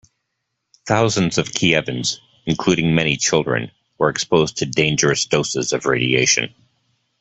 Thousands of Kievans, including many children, were exposed to dangerous doses of radiation.